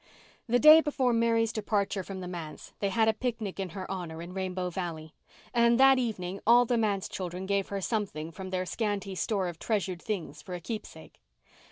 The day before Mary's departure from the manse they had a picnic in her honour in Rainbow Valley, and that evening all the manse children gave her something from their scanty store of treasured things for a keepsake.